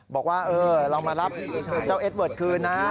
บอกว่าเรามารับเจ้าเอสเวิร์ดคืนนะ